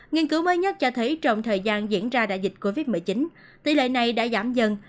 nghiên cứu mới nhất cho thấy trong thời gian diễn ra đại dịch covid một mươi chín tỷ lệ này đã giảm dần